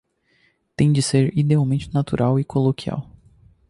Tem de ser idealmente natural e coloquial.